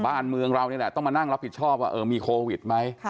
บ้านเมืองเรานี่แหละต้องมานั่งรับผิดชอบว่ามีโควิดไหม